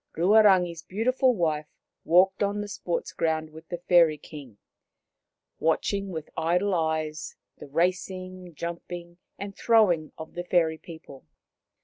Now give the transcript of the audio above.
Ruarangi' s beautiful wife walked on the sports ground with the Fairy King, watching with idle eyes the racing, jumping and throwing of the fairy people.